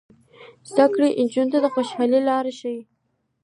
زده کړه نجونو ته د خوشحالۍ لارې ښيي.